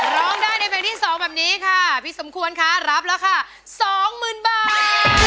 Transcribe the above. ร้องได้ในเพลงที่๒แบบนี้ค่ะพี่สมควรคะรับราคา๒๐๐๐บาท